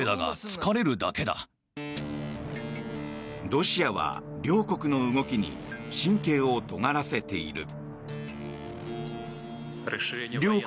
ロシアは両国の動きに神経をとがらせている。